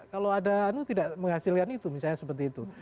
kalau ada tidak menghasilkan itu misalnya seperti itu